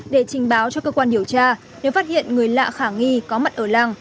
để trình báo cho cơ quan điều tra nếu phát hiện người lạ khả nghi có mặt ở làng